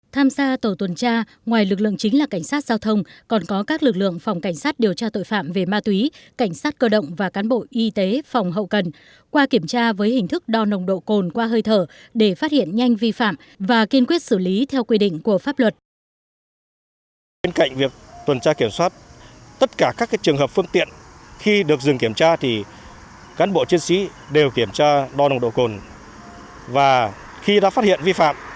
tham gia tổ tuần tra ngoài lực lượng chính là cảnh sát giao thông còn có các lực lượng phòng cảnh sát điều tra tội phạm về ma túy cảnh sát cơ động và cán bộ y tế phòng hậu cần qua kiểm tra với hình thức đo nồng độ côn qua hơi thở để phát hiện nhanh vi phạm và kiên quyết xử lý theo quy định của pháp luật